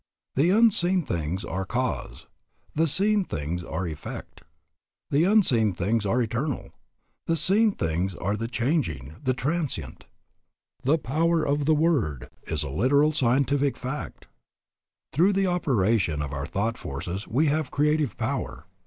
The unseen things are cause; the seen things are effect. The unseen things are the eternal; the seen things are the changing, the transient. The "power of the word" is a literal scientific fact. Through the operation of our thought forces we have creative power.